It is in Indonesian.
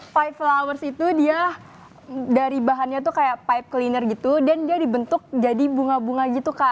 pipe flowers itu dia dari bahannya tuh kayak pipe cleaner gitu dan dia dibentuk jadi bunga bunga gitu kan